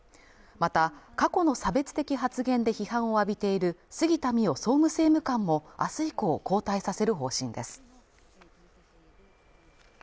また過去の差別的発言で批判を浴びている杉田水脈総務政務官も明日以降交代させる方針です